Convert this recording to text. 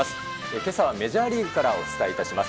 けさはメジャーリーグからお伝えいたします。